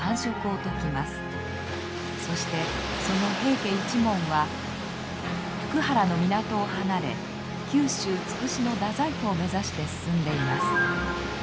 そしてその平家一門は福原の港を離れ九州筑紫の太宰府を目指して進んでいます。